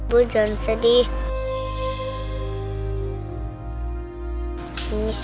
ibu udah ikhlas nak